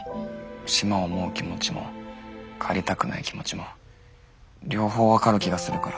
島を思う気持ちも帰りたくない気持ちも両方分かる気がするから。